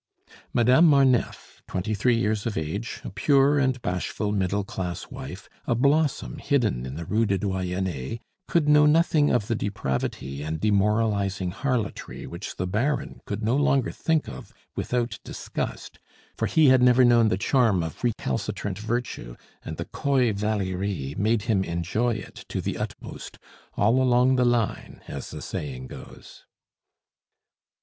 Madame Marneffe, twenty three years of age, a pure and bashful middle class wife, a blossom hidden in the Rue du Doyenne, could know nothing of the depravity and demoralizing harlotry which the Baron could no longer think of without disgust, for he had never known the charm of recalcitrant virtue, and the coy Valerie made him enjoy it to the utmost all along the line, as the saying goes.